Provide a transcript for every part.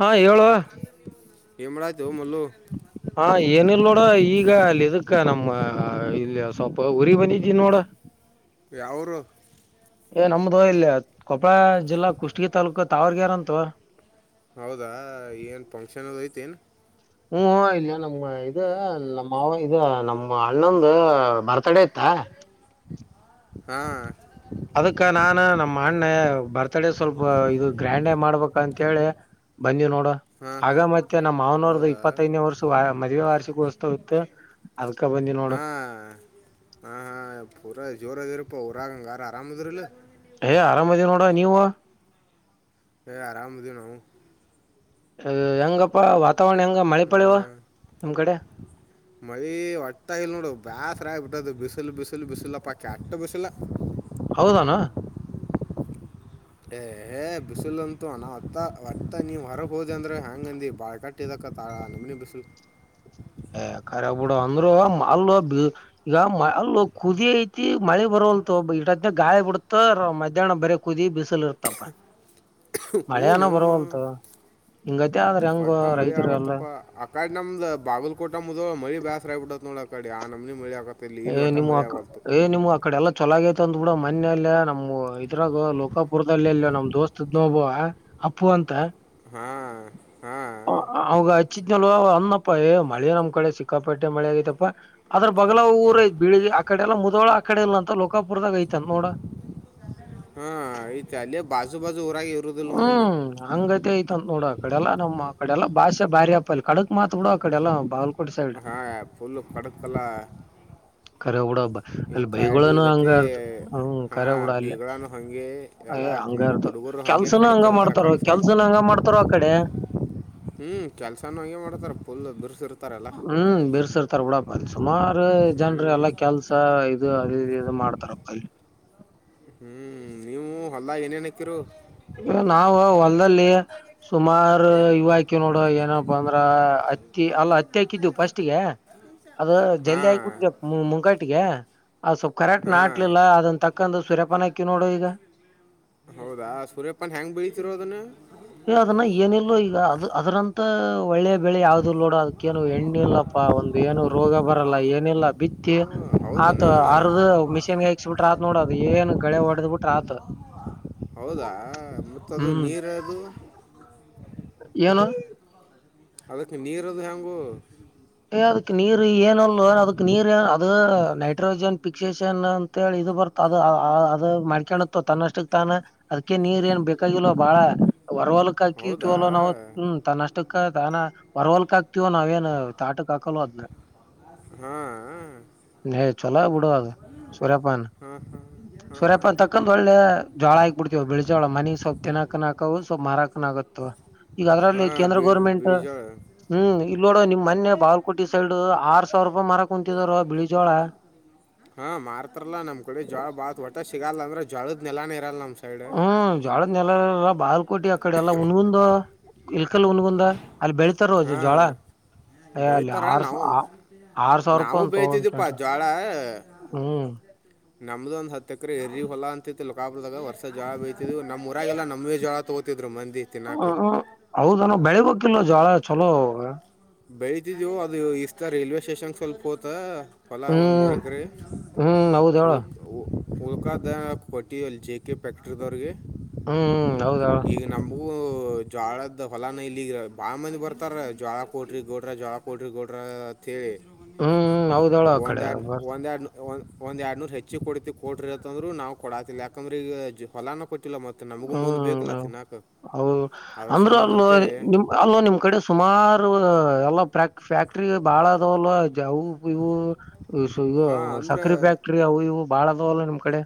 ಹಾ ಹೇಳೋ. ಏನ್ ಮಾಡತಿಯೊ ಮಲ್ಲು. ಹಾ ಏನಿಲ್ ನೋಡ ಈಗ ಅಲ್ಲಿ ಇದಕ್ಕ ನಮ್ಮ. ಇಲ್ಲೇ ಸ್ವಲ್ಪ ಊರಿಗೆ ಬಂದಿದ್ದೀ ನೋಡು. ಯಾವ ಊರು. ಏ ನಮ್ದು ಇಲ್ಲಯ ಕೊಪ್ಪಳ ಜಿಲ್ಲಾ ಕುಷ್ಟಗಿ ತಾಲೂಕು ತಾವರ್ಗ್ಯಾರೆ ಅಂತವ. ಹಾ ಏನ್ ಫಂಕ್ಷನ್ ಹಾಗಿ ಐತೇನು. ಹ್ಮ್ ಇಲ್ಲ ನಮ್ಮ ಇದು ನಮ್ಮ ಮಾವ ಇದು ನಮ್ಮ ಅಣ್ಣಂದು ಬರ್. ತಡಿಯುತ. ಹಾ ಅದಕ್ಕ ನಾನ ನಮ್ಮ ಅಣ್ಣೆ ಬರ್ತ್ಡೇ ಸ್ವಲ್ಪ ಇದು ಗ್ರ್ಯಾಂಡ್ ಹಾಗಿ ಮಾಡಬೇಕು ಅಂತೇಳಿ. ಬಂದಿವಿ ನೋಡು. ಹಾಂ ಆಗ ಹಾಂ ಮತ್ತೆ ನಮ್ಮ್ ಮಾನವರ್ದ ಹೌದಾ ಇಪ್ಪತ್ತೈದನೇ ವರ್ಷ ಮದುವೆ ವಾರ್ಷಿಕೋತ್ಸವ ಇತ್ತು. ಅದಕ್ಕ ಬಂದಿ ನೋಡು. ಹಾ ಹಾ ಪೂರಾಜೋರು ಇದಿರಪ್ಪ ಊರಾಗ ಹಂಗಾರ ಯಾರ ಆರಾಮ್ ಇದಿರಿಲ್ಲ. ಏ ಆರಾಮೀದೀ ನೋಡ ನೀವು. ಹೇ ಆರಾಮಿದೀವಿ ನೋಡು. ಹೆಂಗಪ್ಪಾ ವಾತಾವರಣ ಹೆಂಗ ಮಳೆಪಳಿ ಅವ ಹಾಂ ನಿಮ್ ಕಡೆ. ಮಳಿ ಒಟ್ಟ ಇಲ್ ನೋಡು ಬ್ಯಾಸರ ಆಗಿಬಿಟ್ಟದ ಬಿಸಿಲು ಬಿಸಿಲು ಬಿಸಿಲಪ್ಪ ಕೆಟ್ಟ ಬಿಸಿಲು. ಹೌದ ಏನ ಏ ಹೇ ಬಿಸಿಲು ಅಂತು ನತ್ತ ಹೊಟ್ಟ ನೀವ್ ಹೊರಗ ಹೋದೆ ಅಂದ್ರ ಯಂಗಂದಿ ಬಾಳ್ ಕಟ್ಟ ಇಲ್ಲ ಕಾಕ ಆ ನಮನಿ ಬಿಸಿಲು ಹ ಖರೆ ಬುಡ ಅಂದರುೂ ಮೊದ್ಲು ಬಿ ಈಗ ಮಲ್ಲ ಕುದಿ ಐತಿ ಮಳೆ ಬರವಲ್ದೊ ಇಟತಾನ್ಯಾಗ ಗಾಳಿ ಬಿಡತ ರ ಮಧ್ಯಾಹ್ನ ಬರಿ ಕು ಕುದಿ ಬಿಸಿಲು ಇರ್ತಪ್ಪ [inaudible] ಮಳೆಅನ ಹ್ಞೂ ಬರವಲ್ದೊ ಹಿಂಗತೆ ಆದ್ರ ಹೆಂಗೊ ಒಟ್ಟ ಮಳಿ ರೈತರು ಎಲ್ಲ ಆಗಂತಪ್ಪ ಆ ಕಡೆ ನಮ್ದ ಬಾಗಲಲ್ಕೋಟ ಮುಧೋಳ ಮಳಿ ಬ್ಯಾಸರ ಆಗಿ ಬಿಡತ ನೋಡ ಅ ಕಡೆ ಆ ನಮನಿ ಮಳಿ ಆಗತ್ ಏ ನಿಮವು ಆಕ ಏ ನಿಮವು ಆ ಕಡೆ ಎಲ್ಲ ಚೊಲಾಗೈತ ಅಂದ ಬಿಡ ಮನ್ನೆ ಅಲ್ಲೆ ನಮ ಇದ್ರಾಗ ಲೋಕಾಪುರದಲ್ಲೆಲ್ಲ ನಮ್ ದೋಸ್ತ ಇದ್ದ ಒಬ್ಬವ ಅಪ್ಪು ಅಂತ ಹಾ ಹಾ ಅವಾಗ ಹಚ್ಚಿದ್ನಲ್ಲೊ ಹಣಮಪ್ಪ ಏ ಮಳೆ ನಮ್ ಕಡೆ ಸಿಕ್ಕಾಪಟ್ಟೆ ಮಳೆ ಆಗ್ಯಾತಪ್ಪ ಅದ್ರ ಬ ಎಲ್ಲ ಊರ್ ಐತಿ ಬೀಳಿಗಿ ಆ ಕಡೆ ಎಲ್ಲ ಮುದೋಳ ಆ ಕಡೆ ಇಲ್ಲ ಅಂತ ಲೋಕಪುರದಾಗ ಐತಿ ಅಂತ ನೋಡ ಹಾ ಐತಿ ಅಲ್ಲೆ ಬಾಜು ಬಾಜು ಊರಾಗಿವು ಹ್ಮ್ ಹಂಗೈತೆ ಐತಂತ ನೋಡು ಆ ಕಡೆಲ್ಲಾ ನಮ್ಮ್ ಕಡೆಲ್ಲ ಭಾಷೆ ಬಾರಿ ಅಪ ಅಲ್ಲಿ ಕಡಕ್ ಮಾತ್ ಬಿಡ ಆ ಕಡೆ ಎಲ್ಲ ಬಾಗಲ ಹಾ ಫುಲ್ ಕಡಕಅಲ್ಲ ಕರೆ ಬಿಡ ಹಬ್ಬ ಈ ಅಲ್ಲಿ ಬೈಗಳನು ಹಂಗ ಕಾಡಿಗತೆ ಇರ್ತ ಹ್ಮ್ ಹಾ ಕರೆ ಬಿಡ ಅಲ್ಲಿ ಬೈಗಳನು ಹಂಗೆ. ಎಲ್ಲ ಆಗ್ತ ಹುಡುಗ ಕೆಲ್ಸನ ಹಂಗ ಮಾಡ್ತಾರೊ ಕೆಲ್ಸನ ಹಂಗ ಮಾಡ್ತಾರ ಆ ಕಡೆ. ಹ್ಮ್ ಕೆಲ್ಸಾನು ಹಂಗೆ ಮಾಡತಾರ ಪುಲ್ ಬಿರ್ಸಿರ್ತಾರಲ್ಲಾ. ಹ್ಮ್ ಬಿರಸ ಇರತರ ಬಿಡಪ್ಪ ಅಲ್ಲಿ ಸುಮಾರು ಹ್ಞೂ ಜನ್ರು ಎಲ್ಲಾ ಕೆಲ್ಸ ಇದು ಅದು ಇದು ಮಾಡ್ತಾರಪ್ಪ ಅಲ್ಲಿ. ಹ್ಮ್ ನೀವು ಹೊಲ್ದಾಗ ಏನೇನ ಆಕಿರೂ ನಾವು ಹೊಲ್ದಲ್ಲಿ. ಸುಮಾರು ಇವು ಆಕಿವ್ ನೋಡು ಏನಪ್ಪ ಅಂದ್ರ ಹತ್ತಿ ಅಲ್ಲ ಹತ್ತಿ ಹಾಕಿದ್ದೆವು ಫಸ್ಟ್ಗೆ. ಅದು ಜಲ್ದಿ ಹಾಂ ಆಕಿ ಬಿಡ್ತಪ ಮುಂಕಟಿಗೆ ಅದು ಸ್ವಲ್ಪ್ ಕರೆಕ್ಟ್ ಹಾಂ ನಾಟ್ಲಿಲ್ಲ ಅದನ್ನ ತಕ್ಕಂದು ಸುರ್ಯಪಾನ ಹಾಕಿವ್ ನೋಡು ಈಗ. ಹೌದಾ ಸೂರ್ಯಪ್ಪನ್ ಹೆಂಗ್ ಬೆಳಿತಿರೊ ಅದನ್ನ. ಏ ಅದನ್ನ ಏನಿಲ್ಲೋ ಈಗ ಅದು ಅದ್ರಂತ ಒಳ್ಳೆದು ಬೆಳಿ ಯಾವಾದಿಲ್ಲ ನೋಡ ಅದಕ್ಕೇನು ಎಣ್ಣಿ ಇಲ್ಲಪ್ಪಾ ಒಂದು ಏನು ರೋಗ ಬರಲ್ಲ ಏನಿಲ್ಲ ಬಿತ್ತಿ. ಹೌದನ ಆತು ಅರ್ದು ಮಿಷೀನ್ಗೆ ಆಕ್ಸ್ಬಿಟ್ರ ಆತ್ ನೋಡದು ಏನ ಗಳೆ ಹೊಡೆದ್ ಬಿಟ್ರ ಆತ. ಹೌದಾ ಮತ್ತದು ಹ್ಮ್ ನೀರ ಅದು. ಏನು ಅದಕ್ಕ ನೀರದು ಹೆಂಗೋ. ಏ ಅದಕ್ ನೀರ್ ಏನಲ್ಲೊ ಅದಕ್ ನೀರ್ ಅದ ನೈಟ್ರೋಜನ್ ಪಿಕ್ಸಷನ್ ಅಂತ ಅಂತೇಳಿ ಇದು ಬರ್ತ ಅದು ಅದು ಮಾಡ್ಕೊನಕ್ಕ ತನ್ನಷ್ಟಕ್ ತಾನ. ಅದ್ಕ ಏನ್ ನೀರ್ ಏನ್ ಬೇಕಾಗಿಲೋ ಬಾಳ. ಹೊರ ಹೊಲ್ಕ್ ಹೌದಾ ಹಾಕಿರಿತಿವಲ ನಾವು ಹ್ಮ ತನ್ನ ಅಷ್ಟಕ್ಕ ತಾನ ಹೊರ ಹೊಲ್ಕ್ ಹಾಕ್ತೀವೋ ನಾವೇನು. ತೋಟಕ್ಕ ಆಕಲೋ ಅದನ್ನ. ಹಾಂ ಏ ಚಲೋ ಬಿಡುಅದು ಸೂರ್ಯಪಾನ ಹಾಂ ಸೂರ್ಯಪಾನ ತಕ ತಕಂದ್ ಒಳ್ಳೆ ಜೋಳ ಆಕ್ಬಿಡ್ತಿವ ಬಿಳಿ ಜೋಳ ಮನಿಗ್ ಸ್ವಲ್ಪ ತಿನಕನು ಅಕವು ಸ್ವಲ್ಪ್ ಮಾರಕನ ಆಗತಾವ. ಈಗ ಅದ್ರಲ್ಲಿ ಹಾಂ ಕೇಂದ್ರ ಗೋರ್ಮೆಂಟ್ ಬೀಜ ಹ್ಮ್ ಇಲ್ಲಿ ನೋಡು ನಿಮ ಮನ್ನೆ. ಬಾಗಲ್ಕೋಟಿ ಸೈಡ್ ಆರ್ ಸಾವಿರ ರೂಪಾಯಿ ಮಾರಕ್ ಕುಂತಿದ್ರೊ ಬಿಳಿ ಜೋಳ. ಹಾ ಮಾರ್ತಾರಲ್ಲಾ ನಮ್ ಕಡೆ ಜೋಳ ಒಟ ಸಿಗಲ್ಲ ಅಂದ್ರ ಜೋಳದ ನೆಲನ ಇರಲ್ಲ ನಮ್ ಸೈಡ್ ಹ್ಮ್ ಜೋಳದ ನೆಲ ಇರಲ್ಲ ಬಾಗಲಕೋಟೆ ಅಕಡೆ ಎಲ್ಲಾ ಹುನಗುಂದ ಇಲ್ಕಲ್ ಹುನಗುಂದ ಅಲ್ಲಿ ಬೆಳೆತಾರ ಜೋಳ ಹಾಂ ಏ ಅಲ್ಲಿ ಬೆಳಿತಾರ ಆರ್ ನಾವು ಸಾವಿರ ನಾವು ರೂಪಾಯಿ ಅಂತ ಒಂದು ಬೆಳಿತಿದ್ದೀಪ್ಪ ಕ್ವಿಂಟಾಲ್ ಜೋಳ ಹ್ಮ್ ನಮ್ದು ಒಂದ ಹತ್ತು ಎಕರೆ ಎರ್ರಿ ಹೊಲ ಅಂತತ್ತು ಲೋಕಪುರದಾಗ ವರ್ಷ ಜೋಳ ಬೆಳೀತಿದ್ದೀವಿ ನಮ್ಮೂರಗ ಎಲ್ಲ ನಮ್ಮವೆ ಜೋಳ ತಗೊತಿದ್ರು ತೂಗುತಿದ್ದರು ಮಂದಿ ತಿನ್ನಾಕ ಹ ಹೌದ ನ ಬೆಳಿಬೇಕಿಲ್ಲ ಜೋಳ ಚಲೋ ಅವು ಬೆಳತಿದ್ದವು ಅದು ಈ ಸತಿ ರೈಲ್ವೆ ಸ್ಟೇಷನ್ ಸ್ವಲ್ಪ ಹೋತ ಹೊಲ ಒಂದು ಹ್ಮ್ ಹ್ಮ್ ಹೌದ ಹೇಳ ಉಲ್ಕದ್ದ ಕೊಟ್ಟೀವಿ ಅಲ್ಲಿ ಜೆ ಕೆ ಫ್ಯಾಕ್ಟ್ರಿದವ್ರಿಗೆ ಹ್ಮ್ ಹೌದ ಹೇಳ ಈಗ ನಮ್ಮ ಜ್ವಾಳದ ಹೊಲಾನ ಇಲ್ಲಿಗ ಬಾಳ ಮಂದಿ ಬರ್ತಾರ ಜ್ವಾಳ ಕೊಡ್ರಿ ಗೌಡ್ರ ಜೋಳ ಕೊಡ್ರಿ ಗೌಡ್ರ ಅಂತ ಹೇಳಿ ಹ್ಮ್ ಹೌದಳ ಆ ಕಡೆ ಬರ್ತರ ಒಂದ ಎರಡ್ ನೂರ್ ಹೆಚ್ಚಿಗಿ ಕೊಡ್ತಿವಿ ಕೊಟ್ರಿರತ್ತಂದ್ರ ನಾವು ಕೊಡಾತಿಲ್ಲ ಯಾಕಂದ್ರೆ ಈಗ ಹೊಲಾನ ಕೊಟ್ಟಿಲ್ಲ ಮತ್ತ ಮತ್ತ ನಮಗೂ ಮುಂದ್ ಬೇಕಲ್ಲ ಹ್ಮ್ ತಿನ್ನಾಕ್ ಹೌದು ಅದ್ರ ಅಂದ್ರ ಸಂಬಂಧ ಅಲ್ಲ ಅಂತೇಳಿ ನಿಮ್ ಅಲ್ಲೋ ನಿಮ್ ಕಡೆ ಸುಮಾರು ಎಲ್ಲ ಪ್ರಾಕ್ಟ ಫ್ಯಾಕ್ಟ್ರಿ ಬಾಳ ಅದವಲ್ವ ಅವು ಇವು ಹಾಂ ಅಂದ್ರೆ ಸಕ್ರಿ ಫ್ಯಾಕ್ಟ್ರಿ ಅವು ಇವು ಬಾಳ ಅದಾವಲ್ಲ ನಿಮ್ ಕಡೆ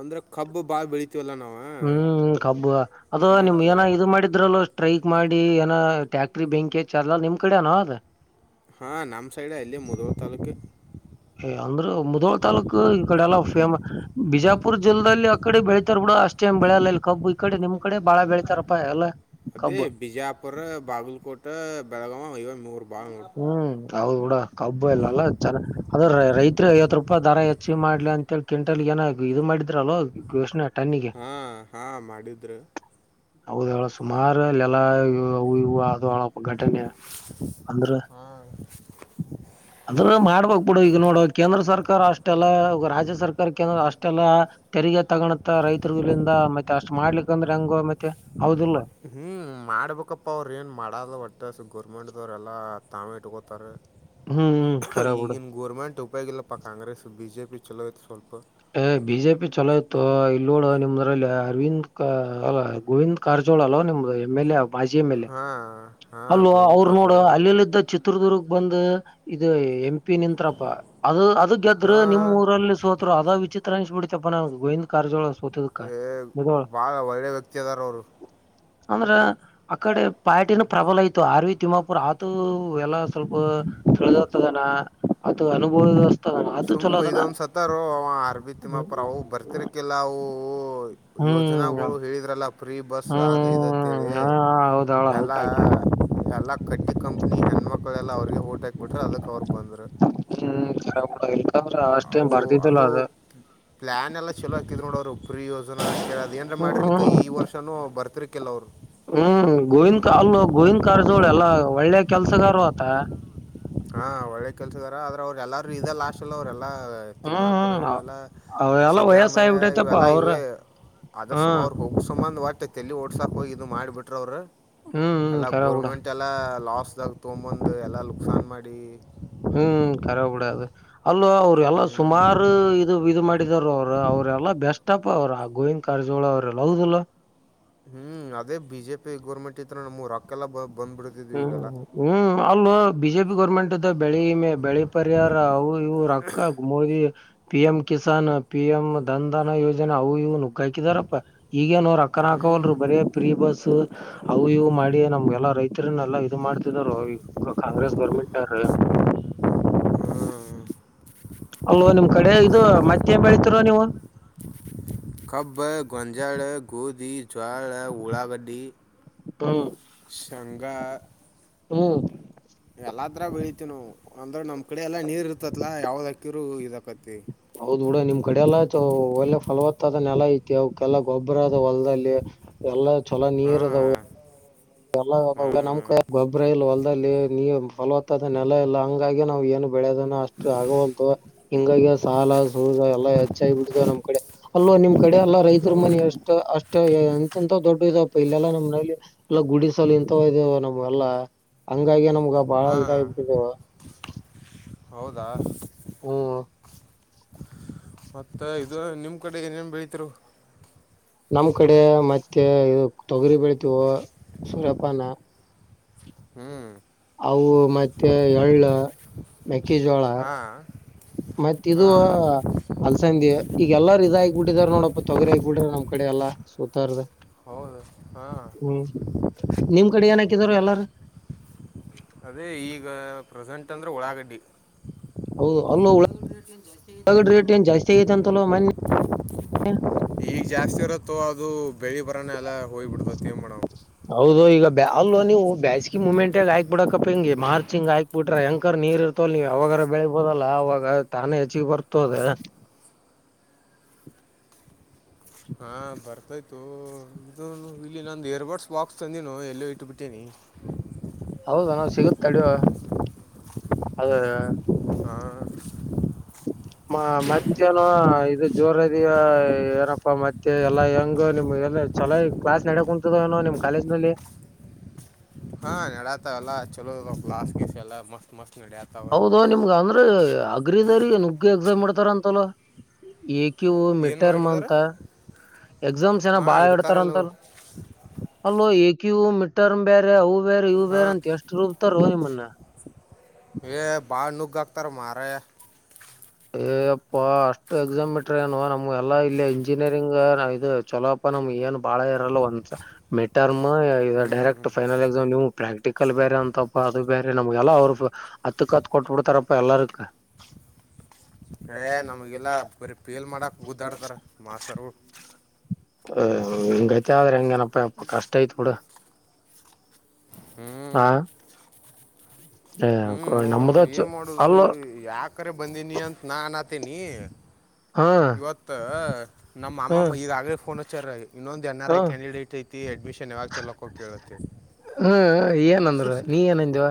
ಅಂದ್ರ ಕಬ್ಬ ಬಾಳ್ ಬೆಳಿತಿವಲ್ಲ ನಾವು ಹ್ಮ್ ಕಬ್ಬು ಅದ ನಿಮಗ ಮತ್ತು ಏನ ಇದು ಮಾಡಿದ್ರ ಇದ್ರಲ್ಲೂ ಸ್ಟ್ರೈಕ್ ಮಾಡಿ ಏನೋ ಫ್ಯಾಕ್ಟರಿ ಬೆಂಕಿ ಹಚ್ಚಿ ಎಲ್ಲ ನಿಮ್ ಕಡೆ ಏನೋ ಅದು ಹಾ ನಮ್ ಸೈಡ್ ಅಲ್ಲಿ ಮೂಧೋಳ್ ತಾಲ್ಲೂಕೆ ಏ ಅಂದ್ರ ಮುದೋಳ ತಾಲ್ಲೂಕು ಈ ಕಡೆ ಎಲ್ಲಾ ಫೇಮಸ್ ಬಿಜಾಪುರ್ ಜಿಲ್ಲೆದಲ್ಲಿ ಆ ಕಡೆ ಬೆಳತಾರ ಬಿಡು ಅಷ್ಟ ಏನ್ ಬೆಳೆಯಲ್ಲ ಅಲ್ಲಿ ಕಬ್ಬು ಈ ಕಡೆ ನಿಮ್ ಕಡೆ ಬಾಳ ಬೆಳೀತಾರಪ್ಪ ಎಲ್ಲಾ ಅದೇ ಬಿಜಾಪುರ ಬಾಗಲಕೋಟೆ ಬೆಳಗಾವ ಇವೆ ಮೂರು ಭಾಳ ನೋಡು ಹ್ಮ್ ಹೌದ ಬಿಡ ಕಬ್ಬು ಎಲ್ಲ ಅಲ್ಲ ಚೆನ್ನ ಅದ ರೈತರ ಐವತ್ತು ರೂಪಾಯಿ ದರ ಹೆಚ್ಚಿಗಿ ಮಾಡ್ಲಿ ಅಂತೇಳಿ ಕಿಂಟಲ್ ಏನ ಇದು ಮಾಡಿದ್ರಲ್ವ ಘೋಷಣೆ ಟನ್ನಿಗೆ ಹಾ ಹಾ ಮಾಡಿದ್ರ ಹೌದು ಅಲ್ಲಿ ಸುಮಾರು ಎಲ್ಲಾ ಅವು ಇವು ಆದುವ್ ಅಳ ಘಟನೆ ಅಂದ್ರ [inaudible] ಅದ್ರ ಮಾಡ್ಬೇಕ್ ಬಿಡ ಈಗ ನೋಡು ಕೇಂದ್ರ ಸರ್ಕಾರ ಅಷ್ಟೆಲ್ಲ ರಾಜ್ಯ ಸರ್ಕಾರ ಕೇಂದ್ರ ಅಷ್ಟೆಲ್ಲ ತೆರಿಗೆ ತಗೊಣತ್ತ ರೈತರುಗಳಿಂದ ಮತ್ತೆ ಅಷ್ಟ್ ಮಾಡ್ಲಿಕ್ಕಂದ್ರೆ ಹೆಂಗೋ ಮತ್ತೆ ಹೌದ ಇಲ್ಲ ಹೂ ಮಾಡ್ಬೇಕಪ್ಪ ಅವ್ರು ಏನು ಮಾಡಲ್ಲ ಒಟ್ಟ ಗೌರ್ಮೆಂಟ್ದವ್ರರೆಲ್ಲ ತಾವೇ ಇಟ್ಕೋತಾರ ಹ್ಮ್ ಹ್ಮ್ ಖರೆ ಬಿಡು ಈಗಿನ ಗೋರ್ಮೆಂಟ್ ಉಪಯೋಗ ಇಲ್ಲಪ್ಪಾ ಕಾಂಗ್ರೆಸ್ ಬಿ ಜೆ ಪಿ ಚಲೋ ಇತ್ತು ಸ್ವಲ್ಪ ಏ ಬಿ ಜೆ ಪಿ ಚಲೋ ಇತ್ತೋ ಇಲ್ಲ ನೋಡ ನಿಮ್ದ್ರಲ್ಲಿ ಗೋವಿಂದ್ ಗೋವಿಂದ ಕಾರಜೋಳ ಅಲ್ವಾ ನಿಮ್ದು ಎಮ ಎಲ್ ಎ ಮಾಜಿ ಎಮ್ ಎಲ್ ಎ ಹಾಂ ಹಾಂ ಅಲ್ಲೋ ಗೋವಿಂದ ಅವ್ರು ನೋಡ ಕಾರಜೋಳ ಅಲ್ಲಿಲ್ಲಿ ಇಂತ ಚಿತ್ರದುರ್ಗ್ ಬಂದ ಇದು ಎಂ ಪಿ ನಿಂತ್ರಪ್ಪ ಅದು ಗೆದ್ರರು ನಿಮ್ ಹಾಂ ಊರಲ್ಲಿ ಸೋತರು ಅದ ವಿಚಿತ್ರ ಅನ್ಸಿಬಿಡ್ತಿಪ್ಪ ನನಗ್ ಗೋವಿಂದ ಕಾರಜೋಳರ ಸೋತಿದಕ್ಕ್ ಏ ಮೂಧೋಳ್ ಭಾಳ ಒಳ್ಳೆ ವ್ಯಕ್ತಿ ಅದಾರ ಅವರು ಅಂದ್ರ ಅಕಡೆ ಪಾರ್ಟಿನ ಪ್ರಬಲ ಇತ್ತು ಆರ್ವಿ ತಿಮ್ಮಾಪುರ್ ಅದು ಎಲ್ಲ ಸ್ವಲ್ಪ ತಿಳದತದಾನ ಅದು ಅನುಭೋದು ಅಷ್ಟ ಸುಮ್ಮ್ ಇದೊ ಒಂದು ಸತ್ತಾರೋ ಅವ ಆರ ವಿ- ಆರ್ ವಿ ಹ್ಮ್ ತಿಮ್ಮಾಪುರ ಅವ ಬರ್ತಿರ್ಕಲ್ಲ ಅವು ಯೋಜನಾಗೋಳು ಹೇಳಿದ್ರಲ್ಲ ಫೀ ಬಸ್ ಆದ ಇದು ಅತೇಳಿ ಹ್ಮ್ ಹಾ ಹೌದಾಳ ಎಲ್ಲ ಅದಕ್ ಹಾಕ್ಯಾರ ಎಲ್ಲಾ ಕಟ್ಟಿ ಕಂಪ್ನಿ ಹೆಣ್ಮ ಮಕ್ಳೆಲ್ಲ ಅವ್ರಿಗೆ ಓಟ ಹಾಕ್ ಬಿಟ್ರ ಅದಕ್ ಅವ್ರ ಬಂದ್ರ. [unintelligible] ಅಷ್ಟ ಏನ ಬರ್ದಿದಲ್ಲ ಅದ ಪ್ಲಾನ್ ಎಲ್ಲ ಚಲೋ ಆಕಿದ್ರ ನೋಡ ಅವ್ರು ಫ್ರೀ ಯೋ ಏನ್ರ ಮಾಡಿರ್ಲಿಕ್ಕ ಹ್ಮ್ ಈ ವರ್ಷನು ಬರ್ತಿರ್ಕ್ಕಿಲ್ಲ ಅವ್ರ. ಹ್ಮ ಗೋವಿಂದ್ ಕಾಲ್ಲು ಗೋವಿಂದ ಕಾರಜೋಳ ಎಲ್ಲಾ ಒಳ್ಳೆ ಕೆಲ್ಸಗರ ಆತ. ಹಾ ಒಳ್ಳೆ ಕೆಲ್ಸದಾರ ಆದ್ರ ಅವ್ರ ಎಲ್ಲಾರ ಇದ ಲಾಸ್ಟಲ್ಲ ಅವ್ರೆಲ್ಲಾ ಹ್ಮ್ ತಿಮ್ಮಾಪುರ ಇವ ಹ್ಮ್ ಎಲ್ಲಾ ಅವೆಲ್ಲ ಸಿದ್ದರಾಮಯ್ಯ ವಯಸ್ಸಾಯಬಿಟ್ಟೈತಪ್ಪ ಇವೆಲ್ಲ ಅವ್ರ ಇವೇ ಆದರ್ ಸಮ ಹ್ಮ್ ಅವ್ರ ಹೋಗ ಸಂಬಂಧ ಒಟ್ಟ ತೇಲಿ ಓಡ್ಸಾಕ್ ಹೋಗಿ ಇದು ಮಾಡಿಬಿಟ್ರ ಅವರ ಹ್ಮ್ ಹ್ಮ್ ಎಲ್ಲಾ ಕರ ಬಿಡ ಗೋರ್ಮೆಂಟ್ ಇಷ್ಟೆಲ್ಲ ಲಾಸ್ದಾಗ್ ತೊಂಬಂದ ಎಲ್ಲ ಲುಕ್ಸಾನ್ ಮಾಡಿ. ಹ್ಮ ಕರೆಬಡ ಅದ ಅಲ್ಲ ಅವರ ಎಲ್ಲ ಸುಮಾರು ಇದು ಇದು ಮಾ ರ ಅವರ ಅವ್ರೆಲ್ಲಾ ಬೆಸ್ಟ್ ಪಾ ಅವರು ಆ ಗೋವಿಂದ್ ಕಾರಜೋಳ ಅವ್ರ ಎಲ್ಲ ಹೌದಿಲ್ಲ. ಹ್ಮ ಅದೇ ಬಿಜೆಪಿ ಗೌರ್ಮೆಂಟ್ ಇತ್ರ ನಮ್ ರೊಕ್ಕಲ್ಲ ಬ ಬಂದಬಿಡ ಹ್ಮ ಹ್ಮ ಅಲ್ಲ ಬಿಜೆಪಿ ಗೌರ್ಮೆಂಟ್ದ್ದ ಬೆಳಿ ಮ ಬೆಳೆ ಪರಿಹಾರ ಅವ ಇವ ರಕ್ಕ Modi P M Kisan P M ದನ್ಧನ ಯೋಜನೆ ಅವು ಇವ್ ನುಗ್ಗ ಹಾಕಿದಾರಪ್ಪ ಈಗೇನೋರು. ಕ್ಕನ ಹ್ಞೂ ಹಾಕವಲ್ರು ಬರೇ ಪ್ರೀ ಬಸ್ ಅವು ಇವು ಮಾಡಿ ನಮ್ಗೆಲ್ಲ ರೈ ತ್ರಲ್ಲಾ ಇದು ಮಾಡ್ತಿದರೋ ಈಗ ಕಾಂಗ್ರೆಸ್ ಗೌರ್ಮೆಂಟ್ ನವರ ಹ್ಞೂ ಅಲ್ಲೋ ನಿಮ್ಮ ಕಡೆ ಇದು ಮತ್ತೇನ ಬೆಳೀತಿರ ನೀವು. ಕಬ್ಬ ಗೊಂಜಳ ಗೋದಿ. ಜೋಳ ಉಳಾಗಡ್ಡಿ ಹ್ಮ್ ಶಂಘ. ಹ್ಮ ಎಲ್ಲ ತರ ಬೆಳತಿವಿ ನಾವ ಅಂದ್ರ ನಮ್ಮ ಕಡೆ ಎಲ್ಲ ನೀರ್ ಇರ್ತತ್ಲಾ ಯಾವ್ದ ಅಕ್ಕಿರು ಇದಾಕತಿ. ಹೌದ ಬಿಡ ನಿಮ್ ಕಡೆ ಎಲ್ಲ ಒಳ್ಳೆ ಫಲವತ್ತಾದ ನೆಲ ಐತಿ ಅವಕ್ಕೆಲ್ಲಾ ಗೊಬ್ಬರದ ಹೊಲದಲ್ಲಿ ಎಲ್ಲ ಚಲ ನೀರ್ ಅದಾವ. ಹಾಂ ಲ್ಲ ನಮ್ಮ ಹಾಂ ಕ ಗೊಬ್ಬರ ಇಲ್ಲ ಹೊಲ್ದಲ್ಲಿ ನೀ ಫಲವತ್ತದ ನೆಲ ಇಲ್ಲ ಹಂಗಾಗಿ ನಾವ್ ಏನು ಬೆಳೆಯೋದನ ಅಷ್ಟ. ಟ ಆಗವಲ್ತ ಹಿಂಗಾಗಿ ಸಾಲ ಸುಜ ಎಲ್ಲಾ ಹೆಚ್ಚಾಗಿಬಿಡ್ತ ನಮ್ಮ ಕಡೆ ಅಲ್ಲೋ ನಿಮ್ ಕಡೆ ಅಲ್ಲ ರೈತರ ಮನ ಹೌದೇನು ಎಷ್ಟ ಅಷ್ಟ ಎಂತಂತ ದೊಡ್ಡ ಇದಪ್ಪ ಇಲ್ಲೆಲ್ಲಾ ನಮ್ಮ ಮನೇಲಿ ಎಲ್ಲ ಗುಡಿಸಲ್ ಇಂತ ಇದವು ನಮ್ಮ ಎಲ್ಲಾ ಹಂಗಾಗಿ ನಮ್ಗ ಬಾಳ ಹಾಂ ಇದಾಗಬಿಟ್ಟಿದವು. ಹೌದಾ. ಹ್ಮ ತ ಇದು ನಿಮ್ ಕಡೆ ಏನೇನ ಬೆಳತಿರು. ನಮ್ಮ ಕಡೆ ಮತ್ತೆ ತೊಗರಿ ಬೆಳತವು ಸೂರ್ಯಪಾನ. ಹ್ಞೂ ಅವು ಮತ್ತೆ ಎಳ್ಳ ಮೆಕ್ಕಿಜೋಳ. ಹಾಂ ಮತ್ತ ಇದು ಹಾಂ ಅಲ್ಸಂದ ಈಗ ಎಲ್ಲಾರ ಇದ ಆಗ ಬಿಟ್ಟಿದಾರ ನೋಡಪ್ಪ ತೊಗರಿ ಆಗ ಬಿಡ್ರ ನಮ್ಮ ಕಡೆ ಎಲ್ಲ ಸೂತಾರದ ಹೌದು ಹಾ ನಿಮ್ಮ ನಿಮ್ ಕಡೆ ಏನ್ ಹಾಕಿದಾರ ಕಡಣ ಎಲ್ಲಾರ ಅದೇ ಈಗ ಪ್ರೆಸೆಂಟ್ ಅಂದ್ರ ಉಳಾಗಡ್ಡಿ. ಹೌದು ಅಲ್ಲೋ ಉಳ [unintelligible] ಗಡೆ ರೇಟ್ ಏನ ಜಾಸ್ತಿ ಆಗತ ಅಂತಲ ಮನ್ನ ಈಗ ಜಾಸ್ತಿ ಇರತ್ತೋ ಅದು ಬೆಳಿ ಬರನ ಎಲ್ಲ ಹೋಗ್ಬಿಡ್ತತ್ತ ಏನ ಮಾಡಾವ. ಹೌದು ಈಗ ಅಲ್ಲ ನೀವು ಬೇಸ್ಗಿ ಮುಮೆಂಟ್ ಆಗ ಆಯಕ್ ಬಿಡಕಪ್ಪ ಹಿಗೆ ಮಾರ್ಚ್ ಹಿಂಗ ಹಾಕಿ ಬಿಟ್ರ ಹೆಂಕರ್ ನೀರ್ ಇರ್ತವಲ ನೀವ ಯಾವಾಗಾರ ಬೆಳಿಬೋದಲ್ಲ ಅವಾಗ ತಾನೇ ಹೆಚ್ಚಿಗೆ ಬರ್ತದ ಅದು ಹಾ ಬರ್ತಯ್ತೋ ಇದು ಇಲ್ಲಿ ನಂದು ಇಯರ್ಬಡ್ಸ್ ಬಾಕ್ಸ್ ತಂದನು ಎಲ್ಲೋ ಇಟ್ಟುಬಿಟ್ಟೀನಿ ಹೌದೇನು ಸಿಗುತ್ತ ತಡೋ ಅದ ಹಾ ಮ ಮತ್ತೇನು ಇದು ಜೋರದ ಏನಪ್ಪಾ ಮತ್ತೆ ಎಲ್ಲಾ ಹೆಂಗು ನಿಮ್ಗೆ ಎಲ್ಲ ಚಲೋ ಈ ಕ್ಲಾಸ್ ನಡೆ ಕುಂತತದನು ನಿಮ್ ಕಾಲೇಜ್ ನಲ್ಲಿ ಹಾ ನಡಾತ ಎಲ್ಲ ಚಲೋ ಲಾಸ್ ಗೀಸ್ ಎಲ್ಲ ಮಸ್ತ್ ಮಸ್ತ್ ನಡ್ಯಾತಾವ ಹೌದಾ ನಿಮ್ಗ ಅಂದ್ರೆ ಅಗ್ರಿದವರಿಗೆ ನುಗ್ಗ ಎಕ್ಸಾಮ್ ಇಡತಾರಂತಲಾ ಕ್ಯ ಏನು ಮೆಟ್ಟರ್ಮ ಇಡ್ತಾರ ಅಂತ ಎಕ್ಸಾಮ್ಸ್ ಏನ ಹಾ ಬಾಳ ಇಡ್ತಾರಲ್ಲ ಇಡ್ತಾರಂತಲ ಅಲೋ ಏಕ ಯೂ ಮಿಡ್ತೇರ್ಮ್ ಬೇರೆ ಅವು ಬೇರೆ ಇವು ಹಾ ಬೇರೆ ಅಂತ ಎಷ್ಟು ರೂಬ್ತ ರೋ ನಿಮ್ನ ಏ ಬಾಳ ನುಗ್ಗ ಹಾಕ್ತಾರ ಮಾರಾಯ ಏ ಅಪ್ಪಾ ಅಷ್ಟು ಎಕ್ಸಾಮ್ ಇಟ್ರೆನು ಏನು ನಮ್ಗೆ ಎಲ್ಲಾ ಇಲ್ಲಿ ಇಂಜಿನಿಯರಿಂಗ ನಾವಿದು ಇದು ಚಲೋ ಅಪ್ಪ ನಮ್ಗೆ ಏನ್ ಬಾಳ ಇರಲ್ಲ ಒಂದ್ ಮಿಟರ್ಮ್ ಡೈರೆಕ್ಟ್ ಫೈನಲ್ ಎಕ್ಸಾಮ್ ನೀವು ಪ್ರಾಕ್ಟಿಕಲ್ ಬೇರೆ ಅಂತಪ್ಪ ಅದು ಬೇರೆ ನಮ್ಗೆಲ್ಲ ಅವ್ರು ಹತ್ ಕತ್ ಕೊಟ್ಟ ಬಿಡ್ತಾರಪ್ಪಾ ಎಲ್ಲರಿಗೂ ಏ ಹೆ ನಮಗೆಲ್ಲ ಬರೀ ಪೇಲ್ ಮಾಡಕ್ಕೆ ಗುದ್ದಾಡ್ತಾರ [unintelligible] ಮಾಸ್ತರ್ಗಳು ಹ ಹಿಂಗೈತೆ ಆದ್ರೆ ಹಂಗೇನಪ್ಪ ಯಪ್ಪ ಕಷ್ಟಐತೆ ಬಿಡು ಹ್ಮ್ ಹಾ ಏ ಹ್ಞೂ ಕೊಡಿ ನಮ್ದೇ ಚಲೋ ಏನು ಮಾಡೋದು ಅಲ್ಲೋ ಯಾಕರೆ ಬಂದೀನಿ ಅಂತ ನಾ ಅದೀನಿ ಹಾ ಅವತ್ತು ನಮ್ಮ ಹಾ ಅಮ್ಮಮ್ಮ ಈಗಾಗಲಿ ಫೋನ್ ಹಚ್ಚಾರ ಅವ್ರಿಗೆ ಇನ್ನೊಂದು ಎನ್ ಆರ್ ಹಾ ಐ ಕ್ಯಾಂಡಿಡೇಟ್ ಐತಿ ಅಡ್ಮಿಷನ್ ಯಾವಾಗ ಚೊಲೋಕ್ಕ ಅಂತ ಕೇಳಾಕತೀವಿ ಹ್ಮ ಏನಂದ್ರ ನೀ ಏನಧೀಯೋ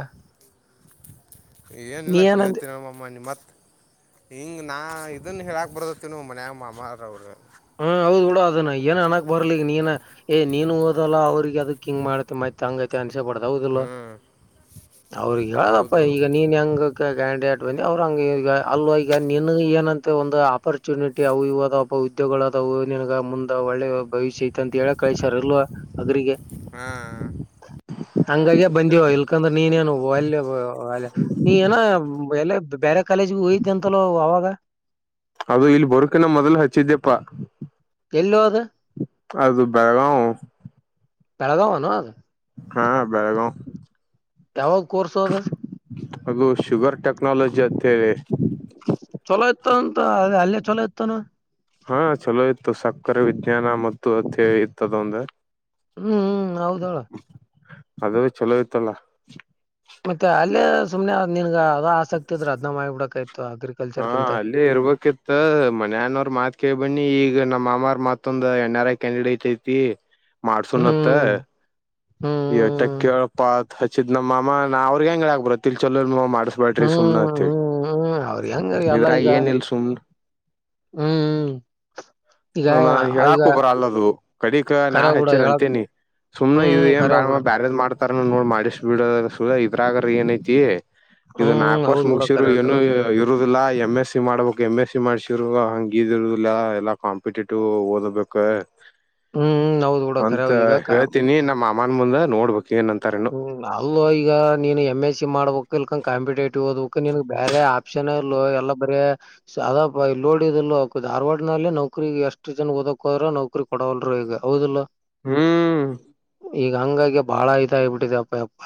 ಏನಿಲ್ಲ ಏನಂದ ಕೇಳ್ತೀನಿ ಹೇಳು ಮಮ ನಿಮ್ಮತ್ತ ಹಿಂಗೆ ನಾ ಇದನ್ನು ಹೇಳಾಕ ಬರದತ್ತ ನೋ ಮನೆೆಯ ಮಾಮ್ಮಾರವರು ಹ್ಮ ಹೌದ್ ಬಿಡ ಅದನ್ನ ಏನ ಅನಕ್ ಬರ್ಲಿ ನೀನ್ ಏ ನೀನ್ನು ಓದಲ್ಲ ಅವ್ರಿಗೆ ಅದಕ್ ಹಿಂಗ್ ಮಾಡತ್ತೆ ಮತ್ತೆ ಹಂಗೈತೆ ಅನಿಸಬಡ್ದ ಹೌದಿಲ್ಲ ಹ್ಞೂ ಅವ್ರಿಗೆ ಹೇಳದಪ್ಪ ಹೌದು ಈಗ ನೀನ್ ಹೆಂಗ ಕ್ಯಾಂಡಿಡೇಟ್ ಬನ್ನಿ ಅವರುಂಗ ಈಗ ಅಲ್ಲ ಈಗ ನಿನ ಏನಂತೆ ಒಂದು ಅಪರ್ಚುನಿಟಿ ಅವು ಇವು ಐದವಪ ಉದ್ಯೋಗಗಳಾದ ನಿನಗ ಮುಂದ ಒಳ್ಳೆ ಭವಿಷ್ಯ ಐತೆ ಅಂತ ಹೇಳ ಕಳ್ಸಾರ ಅಲ್ವ ಅಗ್ರಿಗೆ ಹ್ಮ್ ಹಂಗಗೆ ಬಂದಿವವ ಇಲ್ಕಂದ್ರೆ ನೀನೇನು ಒಲ್ಲ ಅಲ್ಯ ನೀ ಏನ ಎಲ್ಲ ಬೇರೆ ಕಾಲೇಜುಗೆ ಹೋಯ್ದ ಅಂತಲ್ಲೋ ಅವಾಗ ಅದು ಇಲ್ಲಿ ಬರಕಿನ ಮೊದ್ಲು ಹಚ್ಚಿದ್ದ್ಯಪ್ಪಾ. ಎಲ್ಲೋ ಅದು ಅದು ಬೆಳಗಾವ ಬೆಳಗಾವೇನು ಅದು ಹಾ ಬೆಳಗಾವ್ ಯಾವಾ ಕೋರ್ಸೋ ಅದು ಅದು ಶುಗರ್ ಟೆಕ್ನಾಲಜಿ ಅಂತೇಳಿ ಚಲೋ ಇತ್ತತಂತ ಅ ಅಲ್ಲೇ ಚೊಲೋ ಇತ್ತಾನೋ ಹಾ ಚಲೋ ಇತ್ತು ಸಕ್ಕರೆ ವಿಜ್ಞಾನ ಮತ್ತು ಅಧ್ಯಾಯ ಇತ್ತದೊಂದು ಹ್ಮ್ ಹ್ಮ್ ಹೌದಳ ಅದು ಚಲೋ ಇತ್ತಲ್ಲ. ಮತ್ತೆ ಅಲ್ಲೇ ಸುಮ್ಮನೆ ನಿನ್ಗ ಅದ ಆಸಕ್ತಿ ಇದ್ರೆ ಅದ್ ಮಾಡಿ ಬಿಡಬೇಕ್ ಆಯ್ತು ಅಗ್ರಿ ಹಾ ಅಲ್ಲಿ ಈ ಇರ್ಬೇಕಿತ್ತ ಮನ್ಯಾನವ್ರು ಮಾತ್ ಕೇಳಿ ಬನ್ನಿ ಈಗ ನಮ್ಮ ಮಾಮ್ರ ಮತ್ತೊಂದು ಎಣ್ ಆರ್ ಐ ಕ್ಯಾಂಡಿಡೇಟ್ ತೀ ಮಾಡ್ಸುಣತ್ ಹ್ಮ್ ಎಟಕ್ ಹ್ಮ್, ಕೇಳಪ್ಪಾತ್ ಹಚ್ಚಿದ್ ನಮ್ಮ ಮಾಮ ನಾ ಅವ್ರಗೆ ಹೆಂಗ್ ಹೇಳಾಕ ಬರತ್ತ ಇಲ್ ಚಲೋ ಮಾಡ್ಸ ಹುಂ ಹುಂ ಹುಂ ಅವ್ರಿ ಹೆಂಗರಿ ಎಲ್ಲಾ ಇದ್ರಾಗ ಈಗ ಏನಿಲ್ ಸುಮ್ನ ಹುಂ ಹ ನಾ ಹೇಳಾಕು ಬರಲ್ಲದು ಕಡಿಕ ನಾ ಖರೆ ಬಿಡ ಹಚ್ಚರೆ ಹೇಳಕ್ ಅಂತಿನಿ. ಸುಮ್ನೆ ಇದ್ ಹ್ಮ್ ಏನ್ ಖರೆ ಬ್ಯಾಡ ಬಿಡ. ಬ್ಯಾರದ್ ಮಾಡ್ತಾರ ನೋಡ್ ಮಾಡಸ ಬಿಡ ಸುಳ ಇದ್ರಾಗರ ಏನಐತಿ ಇದು ಹ್ಮ್ ನಾಕ್ ವರ್ಷ ಹೌದ್ ಬಿಡ ಮುಗಸಿರು ಖರೆ ಏನು ಹೇಳ್ರಿ. ಯು ಇರುದಿಲ್ಲಾ ಎಮ್ ಎಸ್ ಸಿ ಮಾಡ್ಬೇಕು ಎಮ್ ಎಸ್ ಸಿ ಮಾಡ್ಸರು ಹಂಗ ಇದ ಇರುದಿಲ್ಲ ಎಲ್ಲೂ ಕಾಂಪಿಟೇಟಿವ್ ಓದಬೇಕ್ ಹ್ಮ್ ಹೌದ್ ಬಿಡ ಖರೆ ಅಂತ ಈಗ ಕ ಹೇಳ್ತೀನಿ ನಮ್ಮ ಮಾಮ್ಮರ ಮುಂದ ನೋಡ್ಬೇಕ ಏನ್ಂತಾರೇನೋ ಹ್ಮ್ ಅಲ್ಲೋ ಈಗ ನೀನು ಎಮ್ ಎಸ್ ಸಿ ಮಾಡ್ಬೇಕ ಇಲ್ಕಂದ ಕಾಂಪಿಟೇಟಿವ್ ಓದ್ಬೇಕುನ್ಗ್ ಬೇರೆ ಪ್ಷನ ಇಲ್ಲೋ ಎಲ್ಲಾ ಬರೇ ಸಾದಾ ಇದು ನೋಡಿದಿಲ್ಲೋ ಅವಕ್ ಧಾರವಾಡದಲ್ಲಿ ನೌಕ್ರೀಗ್ ಎಷ್ಟ ಜನ ಓದಕ ಹೋದ್ರ ನೌಕ್ರಿ ಕೊಡವಲ್ರು ಈಗ ಹೌದಲ್ಲೊ. ಹುಂ ಈಗ ಹಂಗಾಗಿ ಬಾಳ ಇದ ಆಬಿಟ್ಟಿದೆ ಅಪ್ಪಾಎಪ್ಪಾ